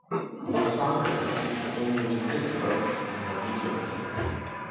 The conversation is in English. Osaka received only six votes and was eliminated.